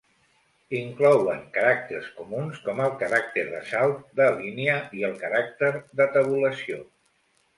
Inclouen caràcters comuns com el caràcter de salt de línia i el caràcter de tabulació.